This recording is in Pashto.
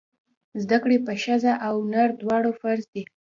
زده کړې په ښځه او نر دواړو فرض دی!